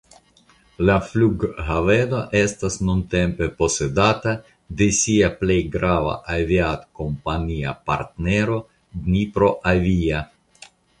La flughaveno estas nuntempe posedata de sia plej grava aviadkompania partnero Dniproavia.